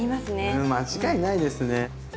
うん間違いないですね。